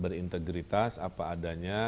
berintegritas apa adanya